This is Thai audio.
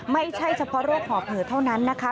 ไม่ใช่เฉพาะโรคหอบเผลอเท่านั้นนะคะ